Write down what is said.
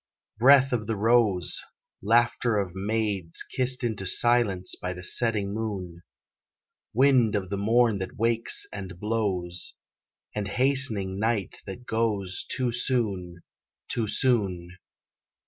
Breath of the rose, laughter of maids Kissed into silence by the setting moon; Wind of the morn that wakes and blows, And hastening night that goes Too soon too soon!